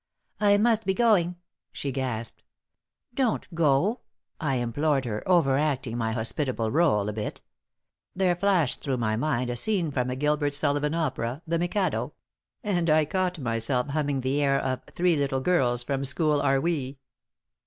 "I must be going," she gasped. "Don't go," I implored her, overacting my hospitable role a bit. There flashed through my mind a scene from a Gilbert Sullivan opera "The Mikado" and I caught myself humming the air of "Three Little Girls from School Are We."